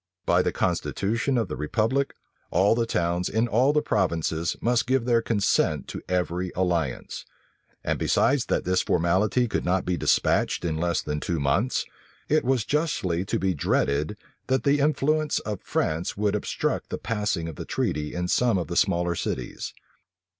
By the constitution of the republic, all the towns in all the provinces must give their consent to every alliance; and besides that this formality could not be despatched in less than two months, it was justly to be dreaded that the influence of France would obstruct the passing of the treaty in some of the smaller cities.